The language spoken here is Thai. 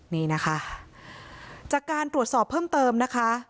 นี่นะคะจากการตรวจสอบเพิ่มเติมนะคะ